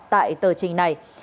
tại tờ trình này